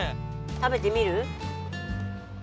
食べてみる？